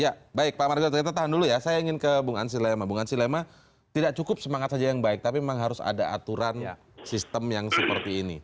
ya baik pak marga kita tahan dulu ya saya ingin ke bung ansi lema bung ansi lema tidak cukup semangat saja yang baik tapi memang harus ada aturan sistem yang seperti ini